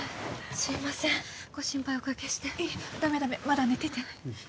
すいませんご心配おかけしていいダメダメまだ寝ててうん